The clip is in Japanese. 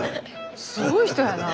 すごい人やなぁ。